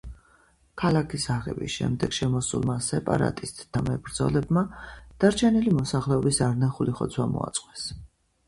ქალაქის აღების შემდეგ შემოსულმა სეპარატისტთა მებრძოლებმა დარჩენილი მოსახლეობის არნახული ხოცვა მოაწყვეს.